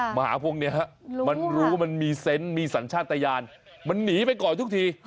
หมาพวกนี้มันรู้มันมีเซนต์มีสัญชาติยานมันหนีไปก่อนทุกที